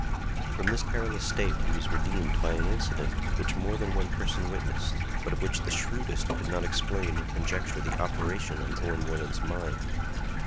From this perilous state he was redeemed by an incident which more than one person witnessed, but of which the shrewdest could not explain or conjecture the operation on Owen Warland's mind.